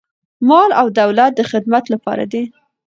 مال او دولت د خدمت لپاره دی.